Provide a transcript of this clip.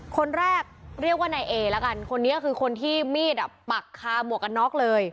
คนแรกเรียกว่านายเอละกันคนนี้คือคนที่มีดอ่ะปักคาหมวกกันน็อกเลย